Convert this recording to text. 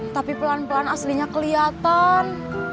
tapi pelan pelan aslinya kelihatan